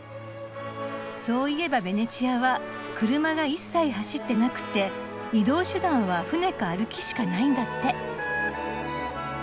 そういえばベネチアは車が一切走ってなくて移動手段は船か歩きしかないんだって。